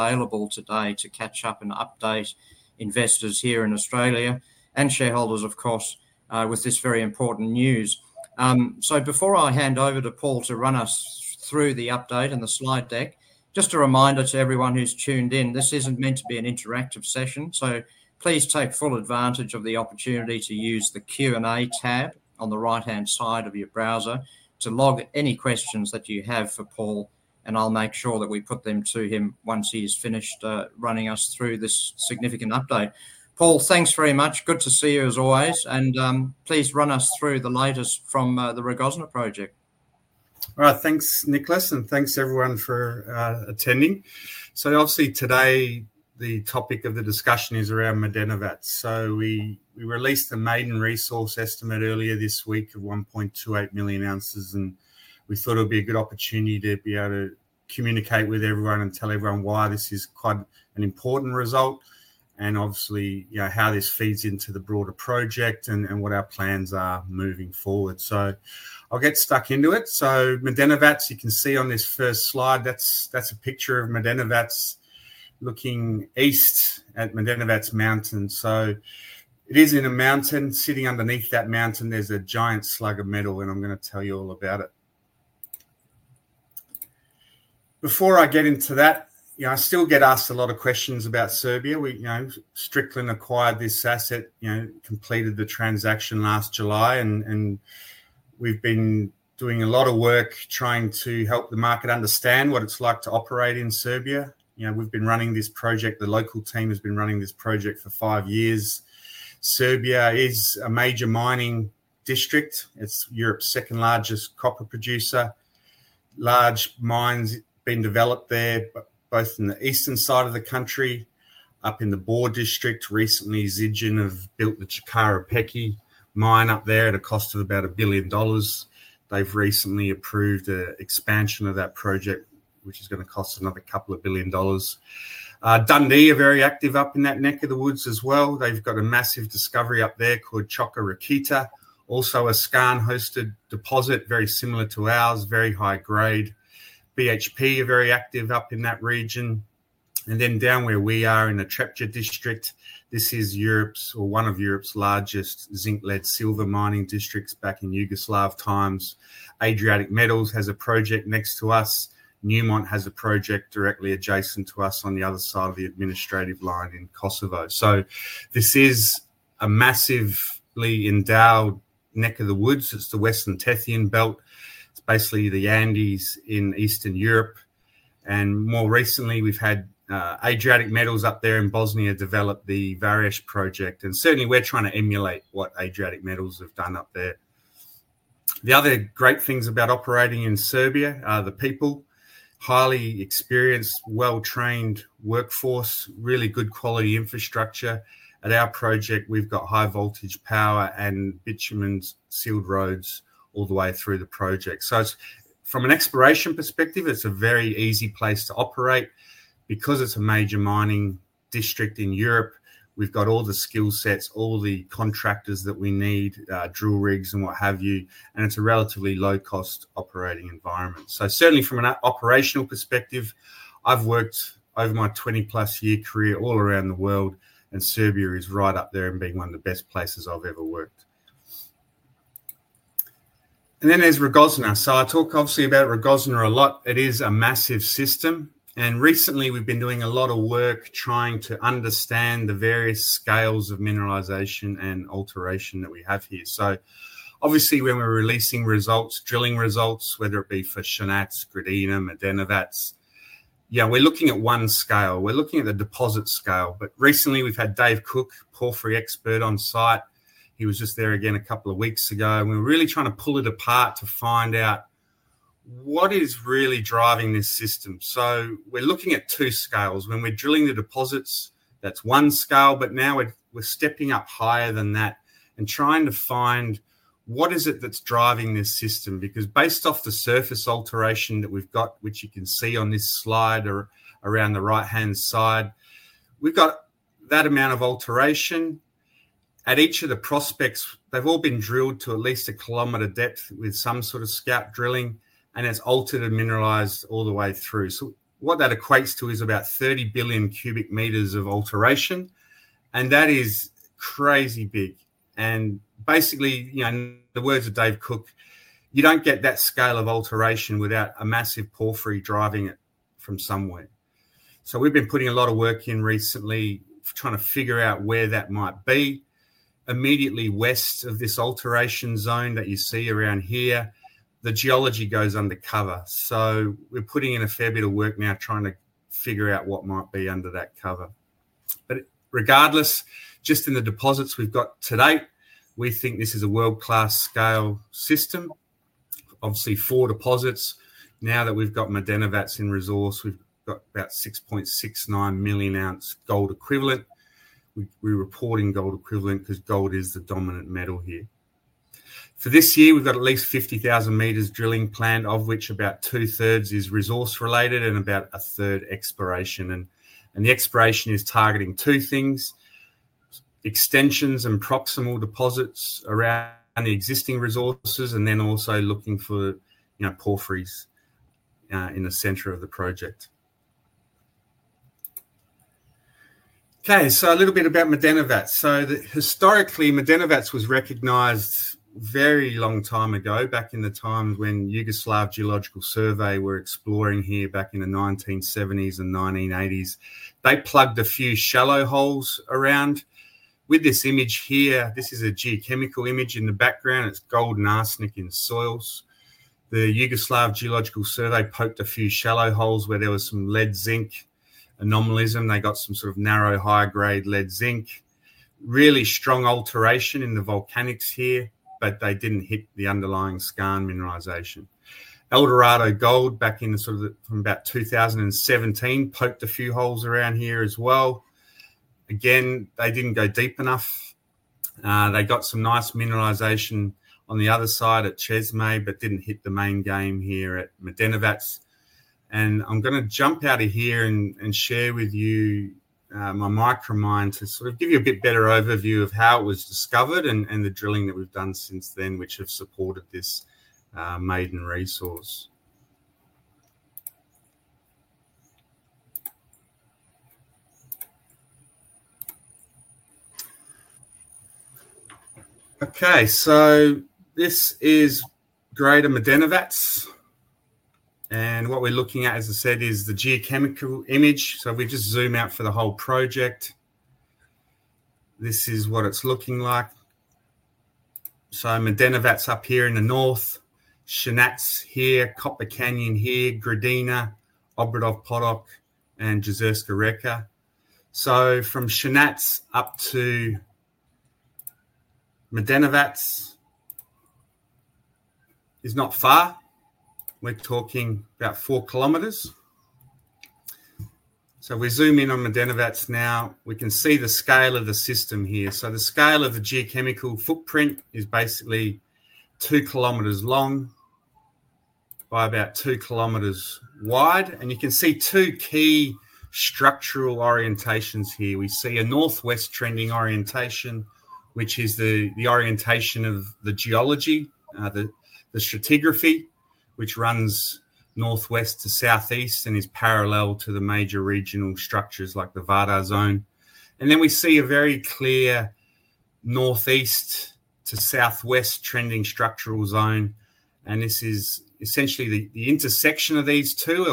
Available today to catch up and update investors here in Australia and shareholders, of course, with this very important news. Before I hand over to Paul to run us through the update and the slide deck, just a reminder to everyone who's tuned in, this isn't meant to be an interactive session, so please take full advantage of the opportunity to use the Q&A tab on the right-hand side of your browser to log any questions that you have for Paul, and I'll make sure that we put them to him once he's finished running us through this significant update. Paul, thanks very much. Good to see you as always, and please run us through the latest from the Rogozna project. All right, thanks, Nicholas, and thanks everyone for attending. Obviously today the topic of the discussion is around Medenovac. We released the maiden resource estimate earlier this week of 1.28 million ounces, and we thought it would be a good opportunity to be able to communicate with everyone and tell everyone why this is quite an important result, and obviously how this feeds into the broader project and what our plans are moving forward. I'll get stuck into it. Medenovac, you can see on this first slide, that's a picture of Medenovac looking east at Medenovac Mountain. It is in a mountain. Sitting underneath that mountain, there's a giant slug of metal, and I'm going to tell you all about it. Before I get into that, I still get asked a lot of questions about Serbia. Strickland acquired this asset, completed the transaction last July, and we've been doing a lot of work trying to help the market understand what it's like to operate in Serbia. We've been running this project; the local team has been running this project for five years. Serbia is a major mining district. It's Europe's second largest copper producer. Large mines have been developed there, both in the eastern side of the country, up in the Bor District. Recently, Zijin have built the Čukaru Peki mine up there at a cost of about $1 billion. They've recently approved an expansion of that project, which is going to cost another $2 billion. Dundee are very active up in that neck of the woods as well. They've got a massive discovery up there called Čoka Rakita, also a skarn-hosted deposit, very similar to ours, very high grade. BHP are very active up in that region. Down where we are in the Trepča district, this is one of Europe's largest zinc-lead silver mining districts back in Yugoslav times. Adriatic Metals has a project next to us. Newmont has a project directly adjacent to us on the other side of the administrative line in Kosovo. This is a massively endowed neck of the woods. It is the Western Tethyan Belt. It is basically the Andes in Eastern Europe. More recently, we have had Adriatic Metals up there in Bosnia develop the Vareš project. Certainly, we are trying to emulate what Adriatic Metals have done up there. The other great things about operating in Serbia are the people: highly experienced, well-trained workforce, really good quality infrastructure. At our project, we have high-voltage power and bitumen sealed roads all the way through the project. From an exploration perspective, it's a very easy place to operate. Because it's a major mining district in Europe, we've got all the skill sets, all the contractors that we need, drill rigs and what have you, and it's a relatively low-cost operating environment. Certainly, from an operational perspective, I've worked over my 20+ year career all around the world, and Serbia is right up there as being one of the best places I've ever worked. Then there's Rogozna. I talk obviously about Rogozna a lot. It is a massive system, and recently we've been doing a lot of work trying to understand the various scales of mineralization and alteration that we have here. Obviously, when we're releasing results, drilling results, whether it be for Shanac, Gradina, Medenovac, we're looking at one scale. We're looking at the deposit scale. Recently, we've had Dave Cooke, a porphyry expert, on site. He was just there again a couple of weeks ago, and we're really trying to pull it apart to find out what is really driving this system. We're looking at two scales. When we're drilling the deposits, that's one scale, but now we're stepping up higher than that and trying to find what is it that's driving this system. Because based off the surface alteration that we've got, which you can see on this slide or around the right-hand side, we've got that amount of alteration at each of the prospects. They've all been drilled to at least 1 km depth with some sort of scalp drilling, and it's altered and mineralized all the way through. What that equates to is about 30 billion cubic meters of alteration, and that is crazy big. Basically, in the words of Dave Cooke, you don't get that scale of alteration without a massive porphyry driving it from somewhere. We've been putting a lot of work in recently trying to figure out where that might be. Immediately west of this alteration zone that you see around here, the geology goes under cover. We're putting in a fair bit of work now trying to figure out what might be under that cover. Regardless, just in the deposits we've got today, we think this is a world-class scale system. Obviously, four deposits. Now that we've got Medenovac in resource, we've got about 6.69 million ounce gold equivalent. We're reporting gold equivalent because gold is the dominant metal here. For this year, we've got at least 50,000 m drilling planned, of which about two-thirds is resource-related and about a third exploration. The exploration is targeting two things: extensions and proximal deposits around the existing resources, and then also looking for porphyries in the center of the project. A little bit about Medenovac. Historically, Medenovac was recognized a very long time ago, back in the times when Yugoslav Geological Survey were exploring here back in the 1970s and 1980s. They plugged a few shallow holes around. With this image here, this is a geochemical image in the background. It's gold and arsenic in soils. The Yugoslav Geological Survey poked a few shallow holes where there was some lead-zinc anomalies. They got some sort of narrow, high-grade lead-zinc. Really strong alteration in the volcanics here, but they didn't hit the underlying skarn mineralization. Eldorado Gold, back in about 2017, poked a few holes around here as well. Again, they didn't go deep enough. They got some nice mineralization on the other side at Čezme, but didn't hit the main game here at Medenovac. I'm going to jump out of here and share with you my Micromine to sort of give you a bit better overview of how it was discovered and the drilling that we've done since then, which have supported this maiden resource. Okay, this is greater Medenovac. What we're looking at, as I said, is the geochemical image. If we just zoom out for the whole project, this is what it's looking like. Medenovac's up here in the north, Shanac here, Copper Canyon here, Gradina, Obradov Potok, and Jezerska Reka. From Shanac up to Medenovac is not far. We're talking about 4 kilometers. If we zoom in on Medenovac now, we can see the scale of the system here. The scale of the geochemical footprint is basically 2km long by about 2km wide. You can see two key structural orientations here. We see a northwest trending orientation, which is the orientation of the geology, the stratigraphy, which runs northwest to southeast and is parallel to the major regional structures like the Vardar Zone. We see a very clear northeast to southwest trending structural zone. This is essentially the intersection of these two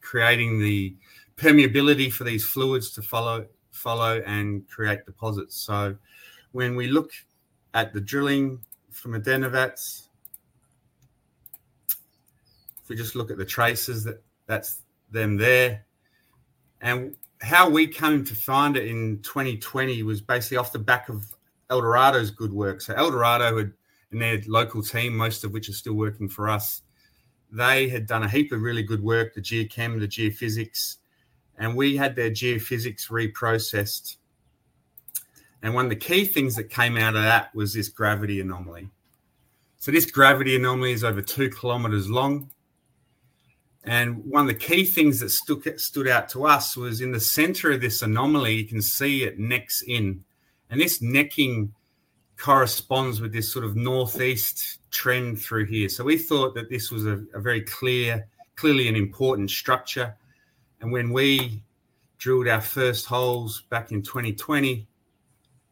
creating the permeability for these fluids to follow and create deposits. When we look at the drilling from Medenovac, if we just look at the traces, that's them there. How we came to find it in 2020 was basically off the back of Eldorado's good work. Eldorado and their local team, most of which are still working for us, they had done a heap of really good work, the geochem, the geophysics. We had their geophysics reprocessed. One of the key things that came out of that was this gravity anomaly. This gravity anomaly is over 2km long. One of the key things that stood out to us was in the center of this anomaly, you can see it necks in. This necking corresponds with this sort of northeast trend through here. We thought that this was very clearly an important structure. When we drilled our first holes back in 2020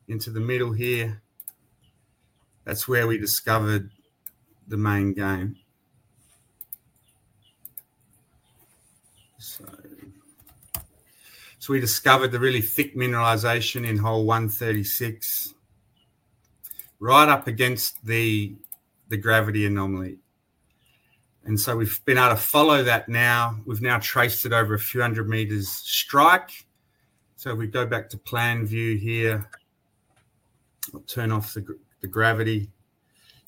into the middle here, that is where we discovered the main game. We discovered the really thick mineralization in hole 136 right up against the gravity anomaly. We have been able to follow that now. We have now traced it over a few hundred meters strike. If we go back to plan view here, I will turn off the gravity.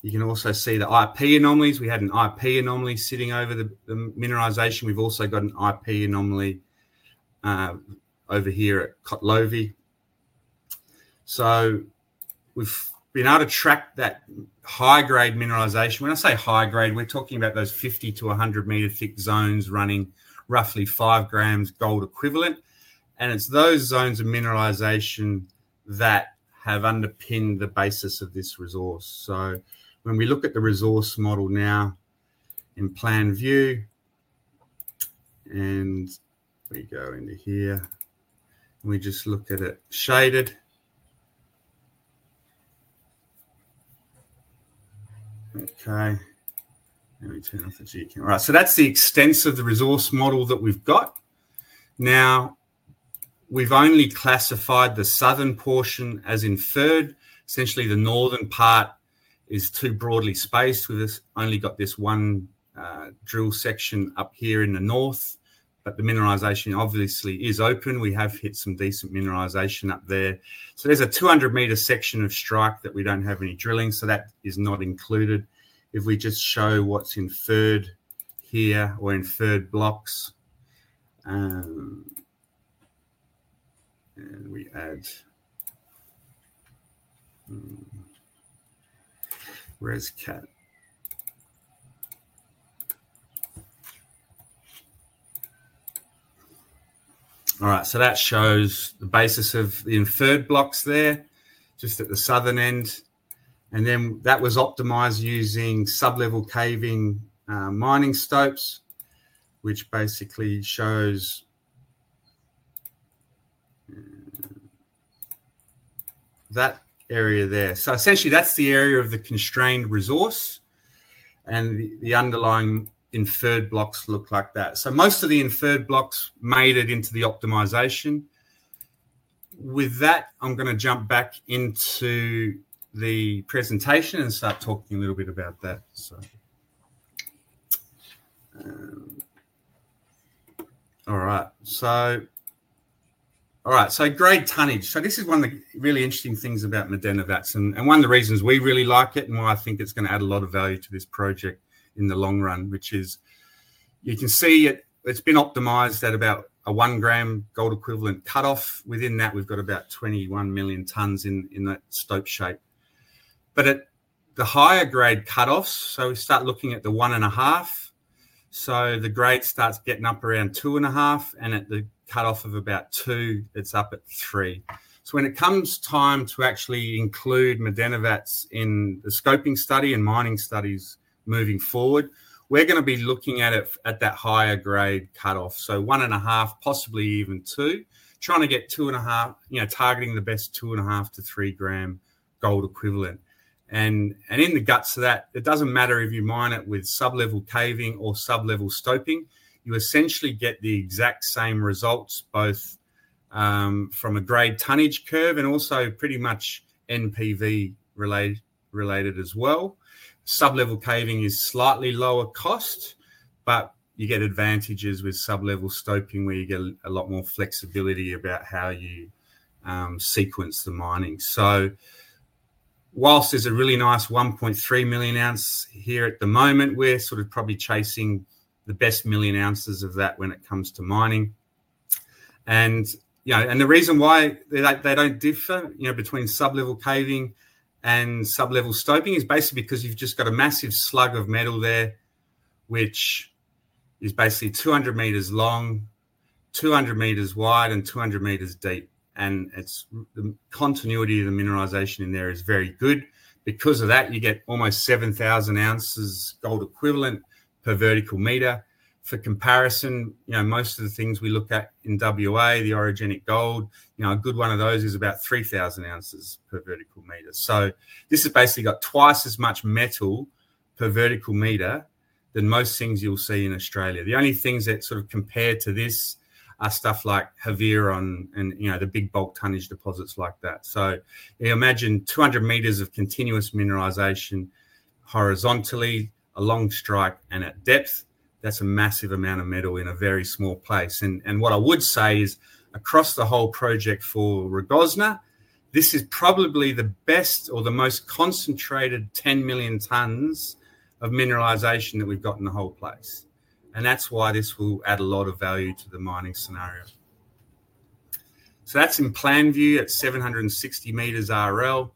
You can also see the IP anomalies. We had an IP anomaly sitting over the mineralization. We have also got an IP anomaly over here at Kotlovi. We have been able to track that high-grade mineralization. When I say high-grade, we are talking about those 50 m-100 m thick zones running roughly five grams gold equivalent. It is those zones of mineralization that have underpinned the basis of this resource. When we look at the resource model now in plan view, and we go into here, and we just look at it shaded. Let me turn off the geochem. That is the extent of the resource model that we have got. Now, we've only classified the southern portion as inferred. Essentially, the northern part is too broadly spaced with us. Only got this one drill section up here in the north, but the mineralization obviously is open. We have hit some decent mineralization up there. There is a 200 m section of strike that we don't have any drilling, so that is not included. If we just show what's inferred here or inferred blocks, and we add Reška. All right. That shows the basis of the inferred blocks there, just at the southern end. That was optimized using sublevel caving mining stopes, which basically shows that area there. Essentially, that's the area of the constrained resource, and the underlying inferred blocks look like that. Most of the inferred blocks made it into the optimization. With that, I'm going to jump back into the presentation and start talking a little bit about that. All right. Great tonnage. This is one of the really interesting things about Medenovac, and one of the reasons we really like it and why I think it's going to add a lot of value to this project in the long run, which is you can see it's been optimized at about a 1 gram gold equivalent cutoff. Within that, we've got about 21 million tons in that stope shape. At the higher grade cutoffs, we start looking at the one and a half. The grade starts getting up around two and a half, and at the cutoff of about two, it's up at three. When it comes time to actually include Medenovac in the scoping study and mining studies moving forward, we're going to be looking at it at that higher grade cutoff. One and a half, possibly even two, trying to get two and a half, targeting the best two and a half to three gram gold equivalent. In the guts of that, it doesn't matter if you mine it with sublevel caving or sublevel stoping. You essentially get the exact same results both from a grade tonnage curve and also pretty much NPV related as well. Sublevel caving is slightly lower cost, but you get advantages with sublevel stoping where you get a lot more flexibility about how you sequence the mining. Whilst there's a really nice 1.3 million ounce here at the moment, we're sort of probably chasing the best million ounces of that when it comes to mining. The reason why they do not differ between sublevel caving and sublevel stoping is basically because you've just got a massive slug of metal there, which is basically 200 m long, 200 m wide, and 200 m deep. The continuity of the mineralization in there is very good. Because of that, you get almost 7,000 ounces gold equivalent per vertical meter. For comparison, most of the things we look at in WA, the orogenic gold, a good one of those is about 3,000 ounces per vertical meter. This has basically got twice as much metal per vertical meter than most things you'll see in Australia. The only things that sort of compare to this are stuff like Havieron and the big bulk tonnage deposits like that. Imagine 200 m of continuous mineralization horizontally, along strike and at depth. That's a massive amount of metal in a very small place. What I would say is across the whole project for Rogozna, this is probably the best or the most concentrated 10 million tons of mineralization that we've got in the whole place. That's why this will add a lot of value to the mining scenario. That's in plan view at 760 m RL.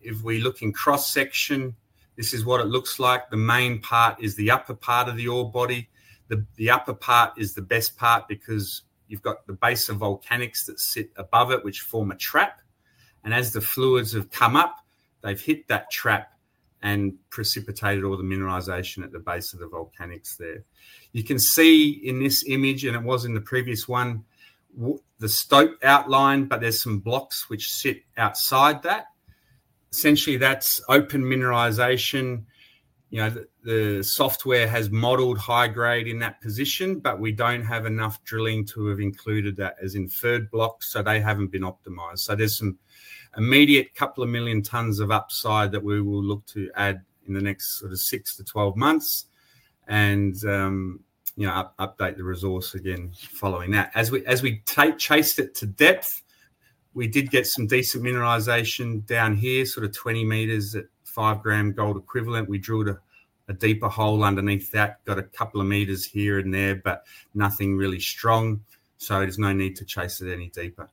If we look in cross-section, this is what it looks like. The main part is the upper part of the ore body. The upper part is the best part because you've got the base of volcanics that sit above it, which form a trap. As the fluids have come up, they've hit that trap and precipitated all the mineralization at the base of the volcanics there. You can see in this image, and it was in the previous one, the stope outline, but there's some blocks which sit outside that. Essentially, that's open mineralization. The software has modeled high grade in that position, but we don't have enough drilling to have included that as inferred blocks, so they haven't been optimized. There's some immediate couple of million tons of upside that we will look to add in the next sort of 6-12 months and update the resource again following that. As we chased it to depth, we did get some decent mineralization down here, sort of 20 m at 5g gold equivalent. We drilled a deeper hole underneath that, got a couple of meters here and there, but nothing really strong. There is no need to chase it any deeper.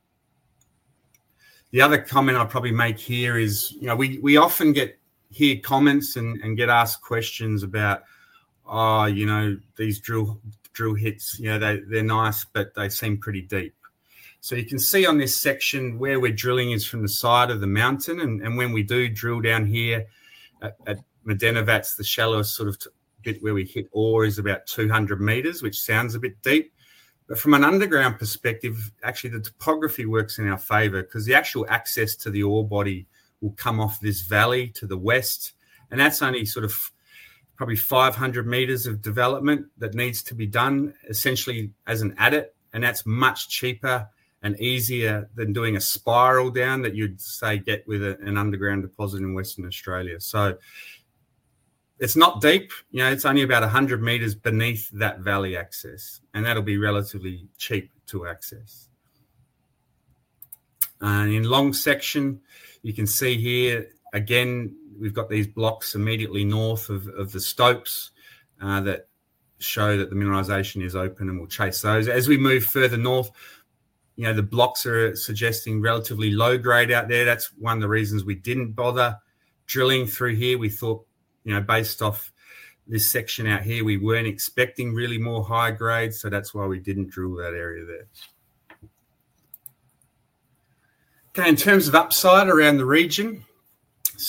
The other comment I'd probably make here is we often hear comments and get asked questions about, "Oh, these drill hits, they're nice, but they seem pretty deep." You can see on this section where we're drilling is from the side of the mountain. When we do drill down here at Medenovac, the shallowest sort of bit where we hit ore is about 200 m, which sounds a bit deep. From an underground perspective, actually, the topography works in our favor because the actual access to the ore body will come off this valley to the west. That is only sort of probably 500 m of development that needs to be done essentially as an adit. That is much cheaper and easier than doing a spiral down that you would get with an underground deposit in Western Australia. It is not deep. It is only about 100 m beneath that valley access. That will be relatively cheap to access. In long section, you can see here, again, we have these blocks immediately north of the stopes that show that the mineralization is open and we will chase those. As we move further north, the blocks are suggesting relatively low grade out there. That is one of the reasons we did not bother drilling through here. We thought, based off this section out here, we were not expecting really more high grade. That is why we did not drill that area there. In terms of upside around the region,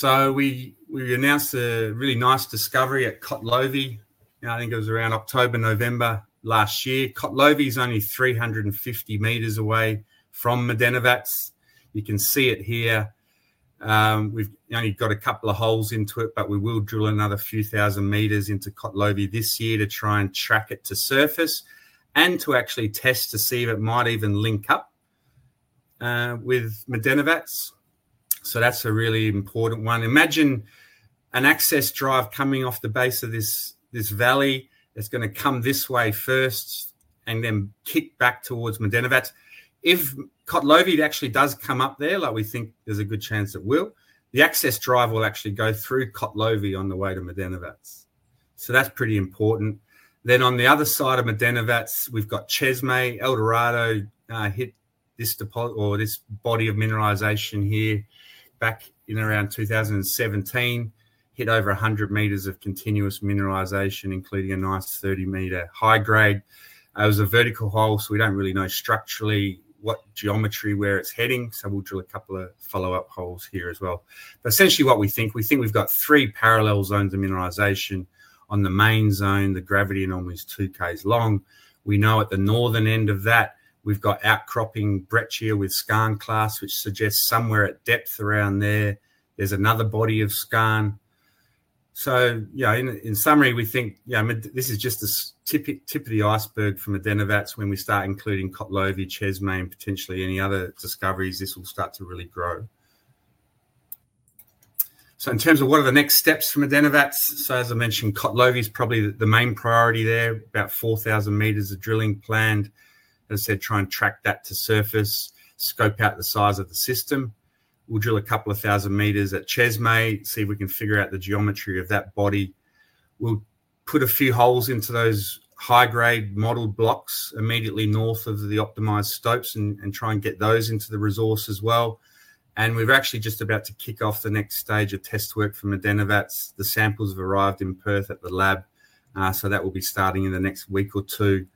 we announced a really nice discovery at Kotlovi. I think it was around October or November last year. Kotlovi is only 350 m away from Medenovac. You can see it here. We've only got a couple of holes into it, but we will drill another few thousand meters into Kotlovi this year to try and track it to surface and to actually test to see if it might even link up with Medenovac. That's a really important one. Imagine an access drive coming off the base of this valley. It's going to come this way first and then kick back towards Medenovac. If Kotlovi actually does come up there, like we think there's a good chance it will, the access drive will actually go through Kotlovi on the way to Medenovac. That's pretty important. On the other side of Medenovac, we've got Čezme. Eldorado hit this body of mineralization here back in around 2017, hit over 100 m of continuous mineralization, including a nice 30 m high grade. It was a vertical hole, so we don't really know structurally what geometry, where it's heading. We'll drill a couple of follow-up holes here as well. Essentially, what we think, we think we've got three parallel zones of mineralization on the main zone. The gravity anomaly is 2 km long. We know at the northern end of that, we've got outcropping breccia with skarn clasts, which suggests somewhere at depth around there, there's another body of skarn. In summary, we think this is just the tip of the iceberg from Medenovac. When we start including Kotlovi, Čezme, and potentially any other discoveries, this will start to really grow. In terms of what are the next steps from Medenovac, as I mentioned, Kotlovi is probably the main priority there, about 4,000 m of drilling planned. As I said, try and track that to surface, scope out the size of the system. We'll drill a couple of thousand meters at Čezme, see if we can figure out the geometry of that body. We'll put a few holes into those high-grade model blocks immediately north of the optimized stopes and try and get those into the resource as well. We've actually just about to kick off the next stage of test work for Medenovac. The samples have arrived in Perth at the lab. That will be starting in the next week or two,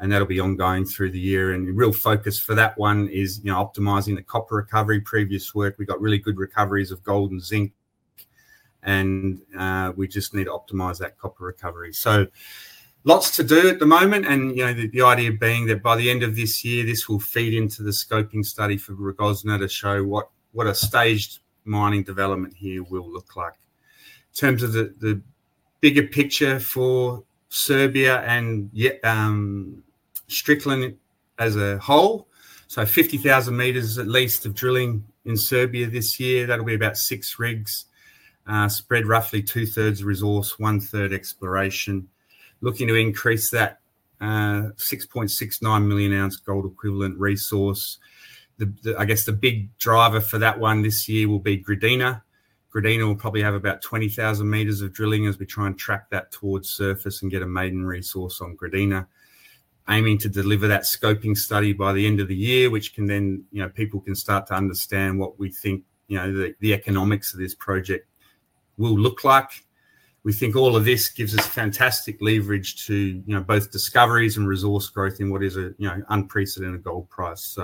and that'll be ongoing through the year. The real focus for that one is optimizing the copper recovery previous work. We've got really good recoveries of gold and zinc, and we just need to optimize that copper recovery. Lots to do at the moment. The idea being that by the end of this year, this will feed into the scoping study for Rogozna to show what a staged mining development here will look like. In terms of the bigger picture for Serbia and Strickland as a whole, 50,000 m at least of drilling in Serbia this year, that'll be about six rigs spread roughly two-thirds resource, one-third exploration. Looking to increase that 6.69 million ounce gold equivalent resource. I guess the big driver for that one this year will be Gradina. Gradina will probably have about 20,000 m of drilling as we try and track that towards surface and get a maiden resource on Gradina, aiming to deliver that scoping study by the end of the year, which can then people can start to understand what we think the economics of this project will look like. We think all of this gives us fantastic leverage to both discoveries and resource growth in what is an unprecedented gold price.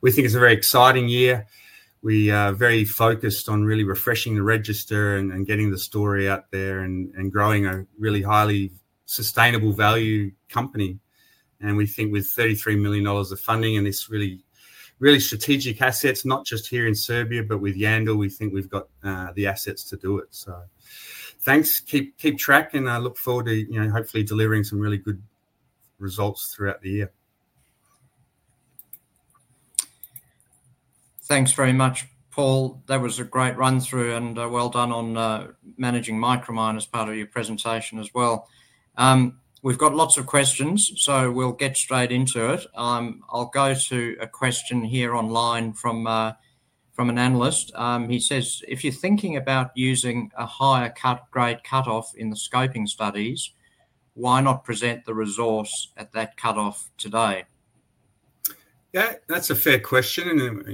We think it is a very exciting year. We are very focused on really refreshing the register and getting the story out there and growing a really highly sustainable value company. We think with 33 million dollars of funding and these really strategic assets, not just here in Serbia, but with Yandal, we think we have got the assets to do it. Thanks. Keep track, and I look forward to hopefully delivering some really good results throughout the year. Thanks very much, Paul. That was a great run-through and well done on managing Micromine as part of your presentation as well. We've got lots of questions, so we'll get straight into it. I'll go to a question here online from an analyst. He says, "If you're thinking about using a higher grade cutoff in the scoping studies, why not present the resource at that cutoff today?" That's a fair question.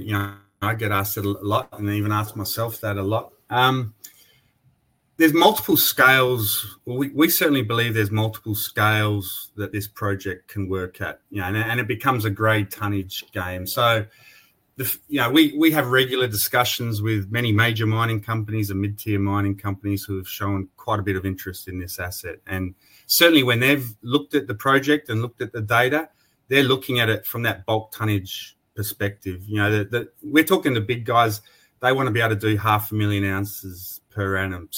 I get asked it a lot and even ask myself that a lot. There are multiple scales. We certainly believe there are multiple scales that this project can work at, and it becomes a grade tonnage game. We have regular discussions with many major mining companies and mid-tier mining companies who have shown quite a bit of interest in this asset. Certainly, when they've looked at the project and looked at the data, they're looking at it from that bulk tonnage perspective. We're talking to big guys. They want to be able to do 500,000 ounces per annum.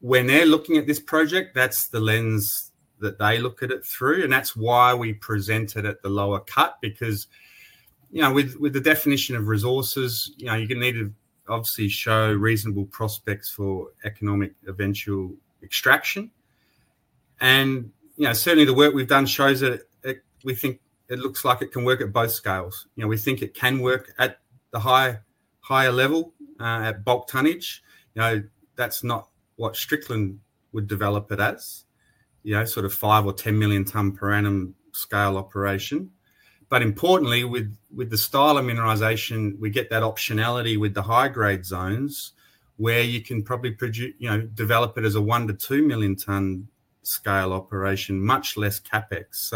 When they're looking at this project, that's the lens that they look at it through. That's why we present it at the lower cut, because with the definition of resources, you need to obviously show reasonable prospects for economic eventual extraction. Certainly, the work we've done shows that we think it looks like it can work at both scales. We think it can work at the higher level at bulk tonnage. That's not what Strickland would develop it as, sort of 5 million or 10 million ton per annum scale operation. But importantly, with the style of mineralization, we get that optionality with the high-grade zones where you can probably develop it as a 1 million-2 million ton scale operation, much less CapEx.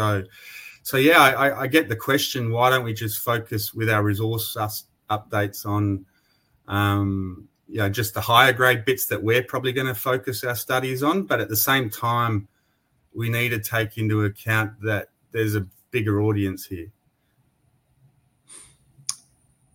Yeah, I get the question, why do not we just focus with our resource updates on just the higher grade bits that we are probably going to focus our studies on? At the same time, we need to take into account that there is a bigger audience here.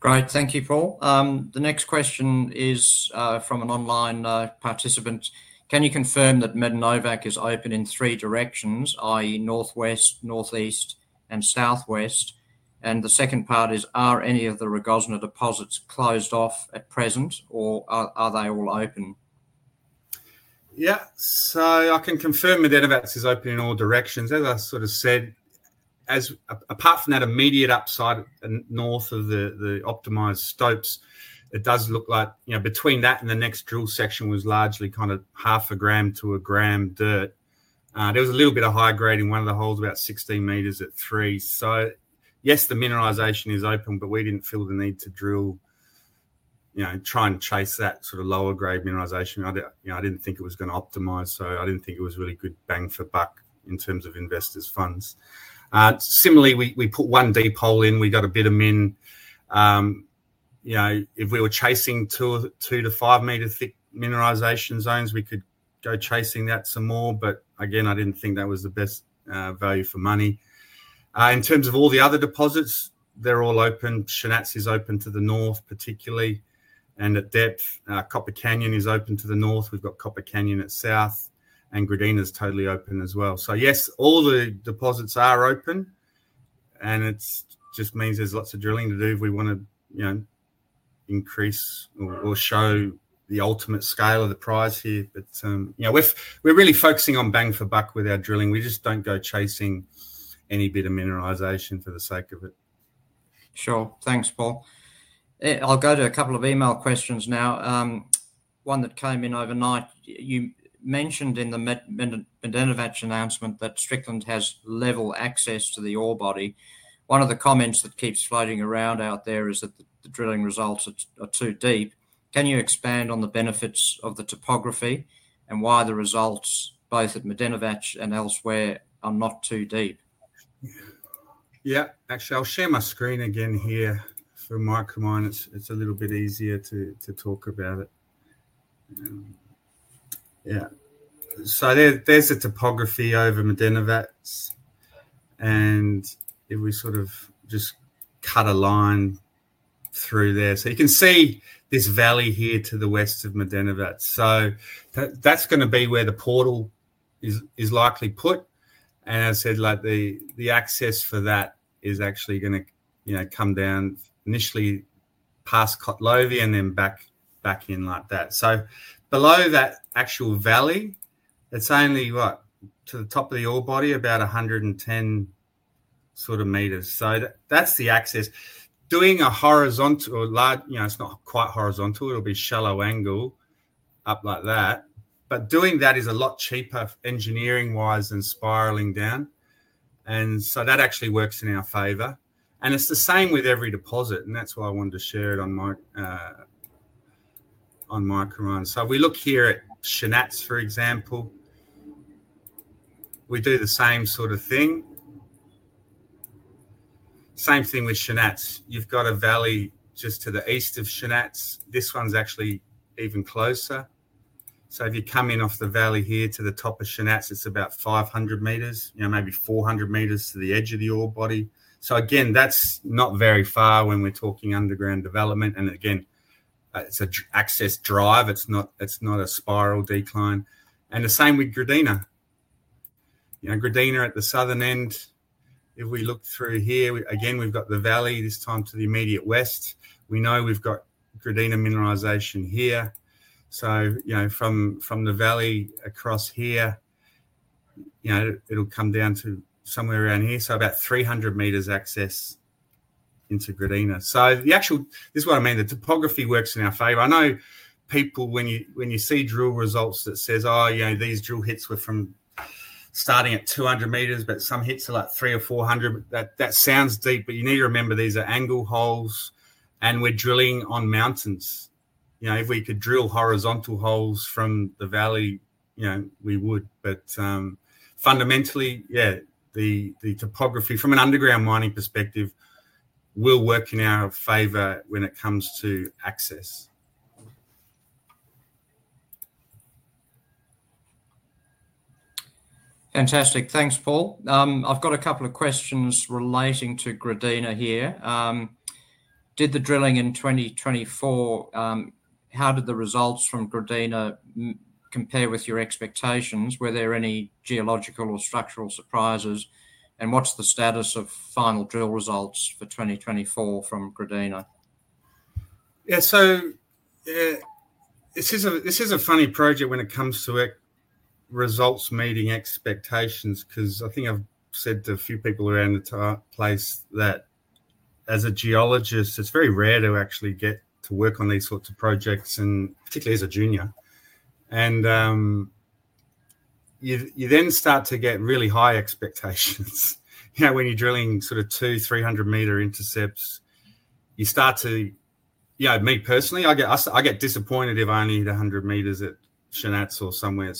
Great. Thank you, Paul. The next question is from an online participant. "Can you confirm that Medenovac is open in three directions, i.e., northwest, northeast, and southwest?" The second part is, "Are any of the Rogozna deposits closed off at present, or are they all open?" Yeah. I can confirm Medenovac is open in all directions. As I sort of said, apart from that immediate upside north of the optimized stopes, it does look like between that and the next drill section was largely kind of half a gram to a gram dirt. There was a little bit of high grade in one of the holes, about 16 m at 3 m. So yes, the mineralization is open, but we did not feel the need to drill, try and chase that sort of lower grade mineralization. I did not think it was going to optimize. I did not think it was really good bang for buck in terms of investors' funds. Similarly, we put one deep hole in. We got a bit of min. If we were chasing 2 m-5 m thick mineralization zones, we could go chasing that some more. I did not think that was the best value for money. In terms of all the other deposits, they're all open. Shanac is open to the north, particularly. And at depth, Copper Canyon is open to the north. We've got Copper Canyon at south. Gradina is totally open as well. Yes, all the deposits are open. It just means there's lots of drilling to do if we want to increase or show the ultimate scale of the prize here. We're really focusing on bang for buck with our drilling. We just don't go chasing any bit of mineralization for the sake of it. Sure. Thanks, Paul. I'll go to a couple of email questions now. One that came in overnight. You mentioned in the Medenovac announcement that Strickland has level access to the ore body. One of the comments that keeps floating around out there is that the drilling results are too deep. Can you expand on the benefits of the topography and why the results, both at Medenovac and elsewhere, are not too deep? Yeah. Actually, I'll share my screen again here for Micromine. It's a little bit easier to talk about it. Yeah. So there's the topography over Medenovac. If we sort of just cut a line through there, you can see this valley here to the west of Medenovac. That's going to be where the portal is likely put. As I said, the access for that is actually going to come down initially past Kotlovi and then back in like that. Below that actual valley, it's only what? To the top of the ore body, about 110 sort of meters. That's the access. Doing a horizontal or large, it's not quite horizontal. It'll be shallow angle up like that. Doing that is a lot cheaper engineering-wise than spiraling down. That actually works in our favor. It's the same with every deposit. That's why I wanted to share it on my Micromine. We look here at Shanac, for example. We do the same sort of thing. Same thing with Shanac. You've got a valley just to the east of Shanac. This one's actually even closer. If you come in off the valley here to the top of Shanac, it's about 500 meters, maybe 400 meters to the edge of the ore body. That's not very far when we're talking underground development. Again, it's an access drive. It's not a spiral decline. The same with Gradina. Gradina at the southern end. If we look through here, we've got the valley this time to the immediate west. We know we've got Gradina mineralization here. From the valley across here, it'll come down to somewhere around here. About 300 m access into Gradina. This is what I mean. The topography works in our favor. I know people, when you see drill results, that say, "Oh, these drill hits were starting at 200 m, but some hits are like 300 m or 400 m." That sounds deep, but you need to remember these are angle holes, and we're drilling on mountains. If we could drill horizontal holes from the valley, we would. Fundamentally, yeah, the topography from an underground mining perspective will work in our favor when it comes to access. Fantastic. Thanks, Paul. I've got a couple of questions relating to Gradina here. Did the drilling in 2024, how did the results from Gradina compare with your expectations? Were there any geological or structural surprises? What's the status of final drill results for 2024 from Gradina? Yeah. This is a funny project when it comes to results meeting expectations because I think I've said to a few people around the place that as a geologist, it's very rare to actually get to work on these sorts of projects, particularly as a junior. You then start to get really high expectations when you're drilling sort of 2, 300 m intercepts. Me personally, I get disappointed if I only hit 100 m at Shanac or somewhere.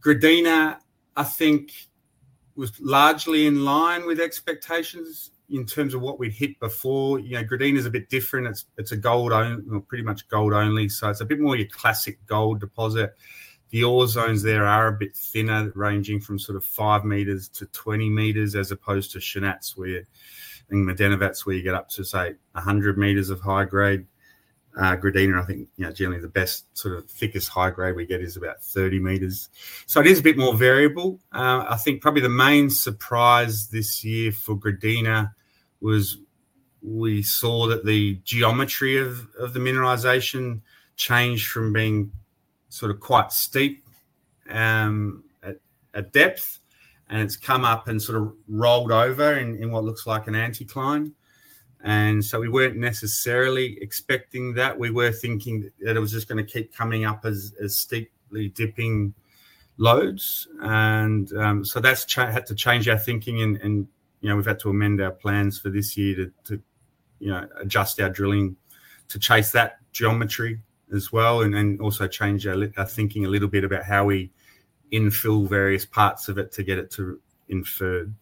Gradina, I think, was largely in line with expectations in terms of what we'd hit before. Gradina is a bit different. It's a gold or pretty much gold only. It's a bit more your classic gold deposit. The ore zones there are a bit thinner, ranging from sort of 5 m-20 m as opposed to Shanac and Medenovac, where you get up to, say, 100 m of high grade. Gradina, I think, generally, the best sort of thickest high grade we get is about 30 m. It is a bit more variable. I think probably the main surprise this year for Gradina was we saw that the geometry of the mineralization changed from being sort of quite steep at depth, and it has come up and sort of rolled over in what looks like an anticline. We were not necessarily expecting that. We were thinking that it was just going to keep coming up as steeply dipping lodes. That has had to change our thinking. We have had to amend our plans for this year to adjust our drilling to chase that geometry as well and also change our thinking a little bit about how we infill various parts of it to get it to inferred,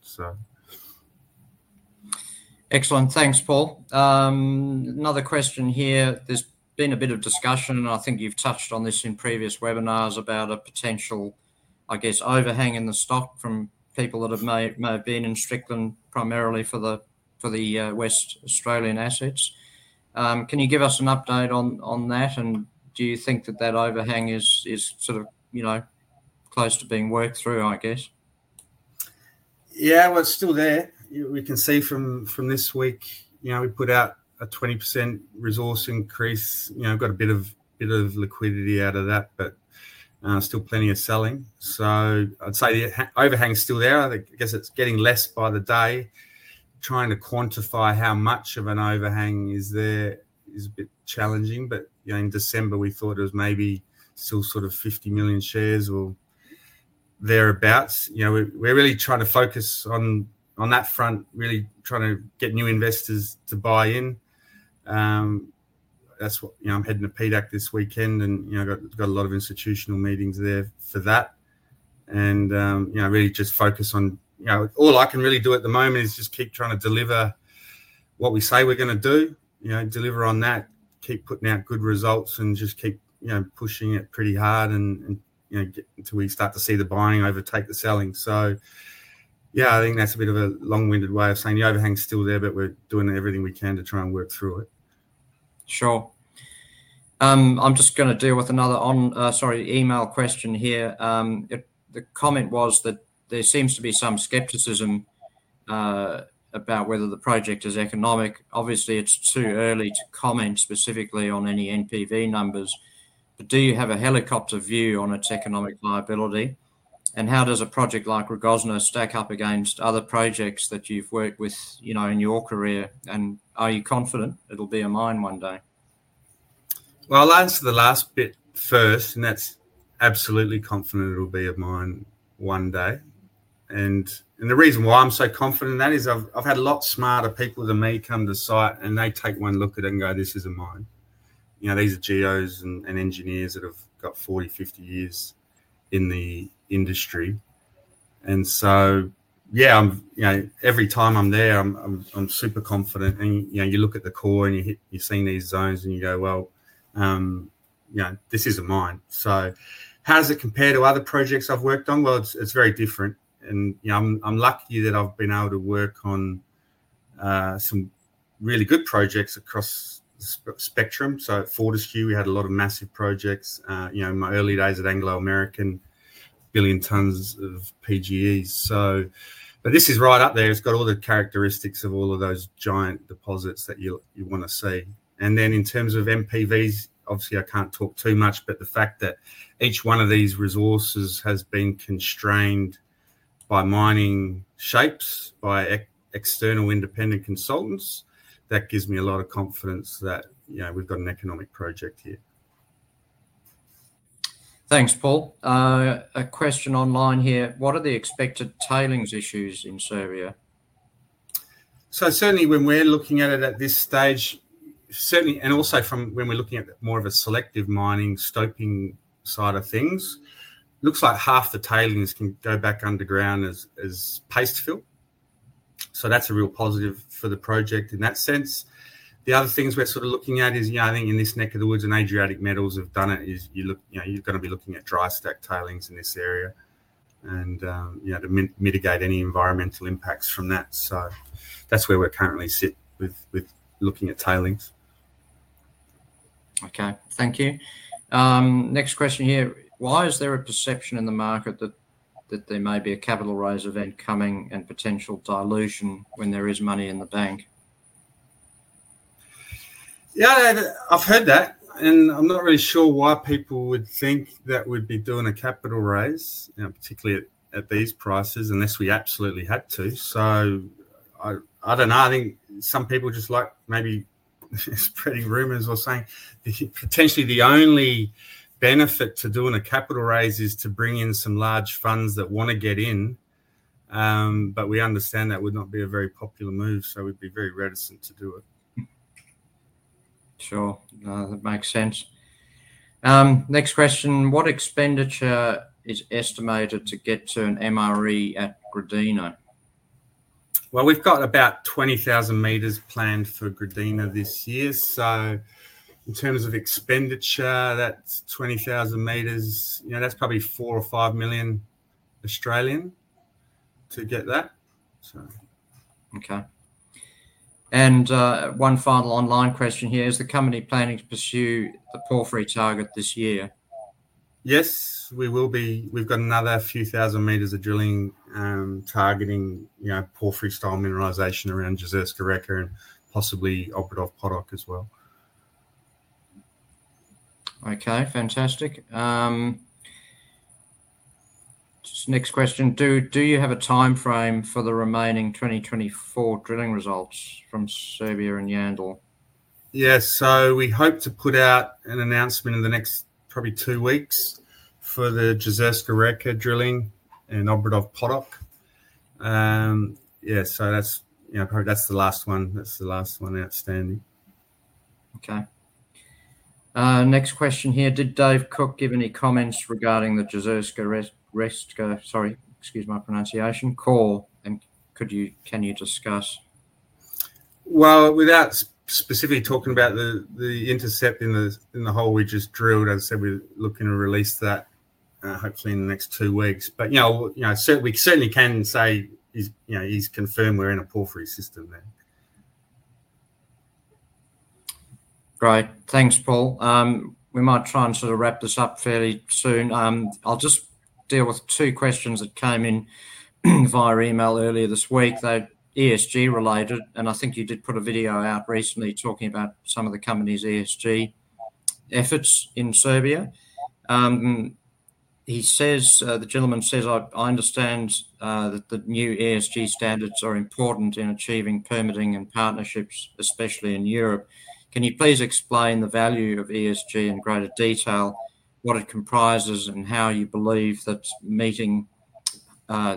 so. Excellent. Thanks, Paul. Another question here. There has been a bit of discussion, and I think you have touched on this in previous webinars about a potential, I guess, overhang in the stock from people that may have been in Strickland primarily for the West Australian assets. Can you give us an update on that? And do you think that that overhang is sort of close to being worked through, I guess? Yeah. It is still there. We can see from this week, we put out a 20% resource increase. We have got a bit of liquidity out of that, but still plenty of selling. I'd say the overhang is still there. I guess it's getting less by the day. Trying to quantify how much of an overhang is there is a bit challenging. In December, we thought it was maybe still sort of 50 million shares or thereabouts. We're really trying to focus on that front, really trying to get new investors to buy in. I'm heading to PDAC this weekend and got a lot of institutional meetings there for that. Really just focus on all I can really do at the moment is just keep trying to deliver what we say we're going to do, deliver on that, keep putting out good results, and just keep pushing it pretty hard until we start to see the buying overtake the selling. Yeah, I think that's a bit of a long-winded way of saying the overhang is still there, but we're doing everything we can to try and work through it. Sure. I'm just going to deal with another email question here. The comment was that there seems to be some skepticism about whether the project is economic. Obviously, it's too early to comment specifically on any NPV numbers. Do you have a helicopter view on its economic viability? How does a project like Rogozna stack up against other projects that you've worked with in your career? Are you confident it'll be a mine one day? I'll answer the last bit first. That's absolutely confident it'll be a mine one day. The reason why I'm so confident in that is I've had a lot smarter people than me come to the site, and they take one look at it and go, "This is a mine." These are geos and engineers that have got 40, 50 years in the industry. Every time I'm there, I'm super confident. You look at the core and you see these zones and you go, "Well, this is a mine." How does it compare to other projects I've worked on? It is very different. I'm lucky that I've been able to work on some really good projects across the spectrum. Fortescue, we had a lot of massive projects in my early days at Anglo American, billion tons of PGEs. This is right up there. It's got all the characteristics of all of those giant deposits that you want to see. In terms of NPVs, obviously, I can't talk too much, but the fact that each one of these resources has been constrained by mining shapes, by external independent consultants, that gives me a lot of confidence that we've got an economic project here. Thanks, Paul. A question online here. What are the expected tailings issues in Serbia? Certainly, when we're looking at it at this stage, certainly, and also from when we're looking at more of a selective mining, stoping side of things, looks like half the tailings can go back underground as pastefill. That's a real positive for the project in that sense. The other things we're sort of looking at is, I think, in this neck of the woods, Adriatic Metals have done it, is you're going to be looking at dry stack tailings in this area and to mitigate any environmental impacts from that. That is where we currently sit with looking at tailings. Okay. Thank you. Next question here. Why is there a perception in the market that there may be a capital raise event coming and potential dilution when there is money in the bank? Yeah. I've heard that. I'm not really sure why people would think that we'd be doing a capital raise, particularly at these prices, unless we absolutely had to. I don't know. I think some people just like maybe spreading rumors or saying potentially the only benefit to doing a capital raise is to bring in some large funds that want to get in. But we understand that would not be a very popular move, so we'd be very reticent to do it. Sure. That makes sense. Next question. What expenditure is estimated to get to an MRE at Gradina? Well, we've got about 20,000 m planned for Gradina this year. In terms of expenditure, that's 20,000 m. That's probably 4 million-5 million to get that, so. Okay. And one final online question here. Is the company planning to pursue the porphyry target this year? Yes. We've got another few thousand meters of drilling targeting porphyry style mineralization around Jezerska Reka and possibly Obradov Potok as well. Okay. Fantastic. Next question. Do you have a timeframe for the remaining 2024 drilling results from Serbia and Yandal? Yes. We hope to put out an announcement in the next probably two weeks for the Jezerska Reka drilling and Obradov Potok. Yeah. Probably that is the last one. That is the last one outstanding. Okay. Next question here. Did Dave Cooke give any comments regarding the Jezerska Reka, sorry, excuse my pronunciation, core? And can you discuss? Without specifically talking about the intercept in the hole we just drilled, as I said, we are looking to release that hopefully in the next two weeks. We certainly can say he has confirmed we are in a porphyry system there. Right. Thanks, Paul. We might try and sort of wrap this up fairly soon. I will just deal with two questions that came in via email earlier this week. They are ESG-related. I think you did put a video out recently talking about some of the company's ESG efforts in Serbia. The gentleman says, "I understand that the new ESG standards are important in achieving permitting and partnerships, especially in Europe. Can you please explain the value of ESG in greater detail, what it comprises, and how you believe that meeting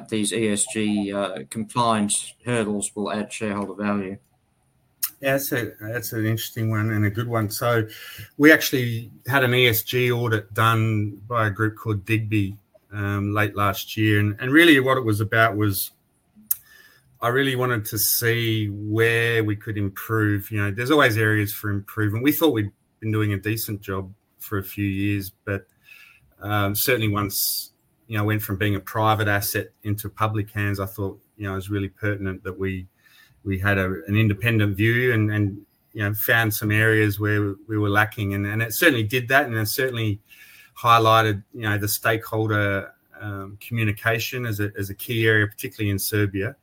these ESG compliance hurdles will add shareholder value?" Yeah. That's an interesting one and a good one. We actually had an ESG audit done by a group called Digbee late last year. Really, what it was about was I really wanted to see where we could improve. There's always areas for improvement. We thought we'd been doing a decent job for a few years. Certainly, once I went from being a private asset into public hands, I thought it was really pertinent that we had an independent view and found some areas where we were lacking. It certainly did that. It certainly highlighted the stakeholder communication as a key area, particularly in Serbia,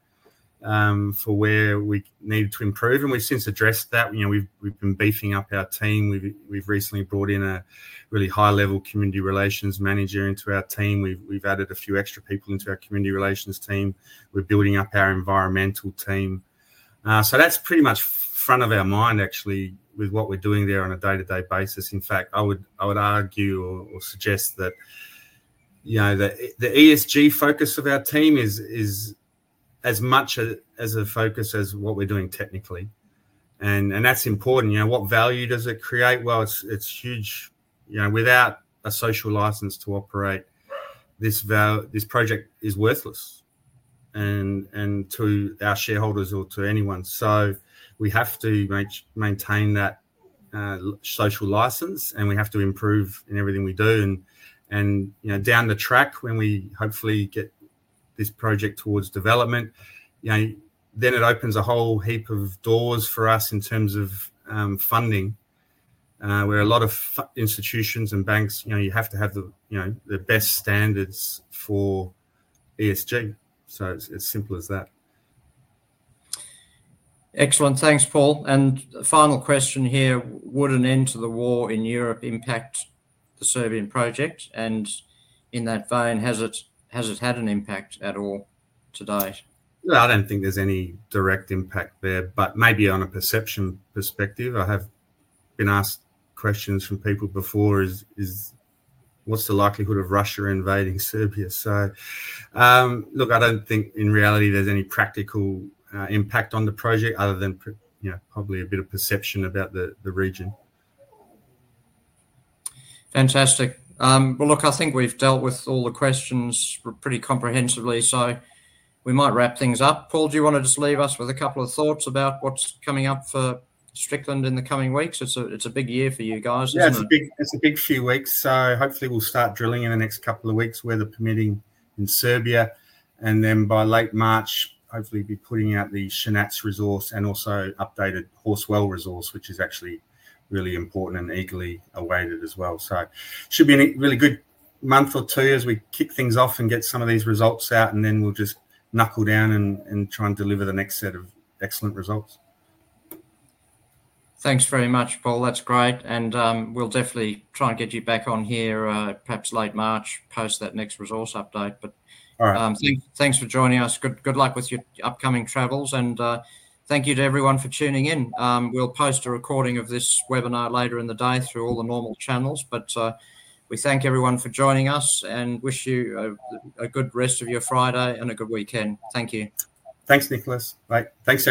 for where we needed to improve. We have since addressed that. We have been beefing up our team. We have recently brought in a really high-level community relations manager into our team. We have added a few extra people into our community relations team. We are building up our environmental team. That is pretty much front of our mind, actually, with what we are doing there on a day-to-day basis. In fact, I would argue or suggest that the ESG focus of our team is as much as a focus as what we are doing technically. That is important. What value does it create? It's huge. Without a social license to operate, this project is worthless to our shareholders or to anyone. We have to maintain that social license, and we have to improve in everything we do. Down the track, when we hopefully get this project towards development, it opens a whole heap of doors for us in terms of funding, where a lot of institutions and banks, you have to have the best standards for ESG. It's as simple as that. Excellent. Thanks, Paul. Final question here. Would an end to the war in Europe impact the Serbian project? In that vein, has it had an impact at all to date? I don't think there's any direct impact there. Maybe on a perception perspective, I have been asked questions from people before. What's the likelihood of Russia invading Serbia? I don't think, in reality, there's any practical impact on the project other than probably a bit of perception about the region. Fantastic. I think we've dealt with all the questions pretty comprehensively. We might wrap things up. Paul, do you want to just leave us with a couple of thoughts about what's coming up for Strickland in the coming weeks? It's a big year for you guys, isn't it? Yeah. It's a big few weeks. Hopefully, we'll start drilling in the next couple of weeks with the permitting in Serbia. Then by late March, hopefully, be putting out the Shanac resource and also updated Horse Well resource, which is actually really important and eagerly awaited as well. It should be a really good month or two as we kick things off and get some of these results out. We will just knuckle down and try and deliver the next set of excellent results. Thanks very much, Paul. That is great. We will definitely try and get you back on here perhaps late March, post that next resource update. Thanks for joining us. Good luck with your upcoming travels. Thank you to everyone for tuning in. We will post a recording of this webinar later in the day through all the normal channels. We thank everyone for joining us and wish you a good rest of your Friday and a good weekend. Thank you. Thanks, Nicholas. Thanks.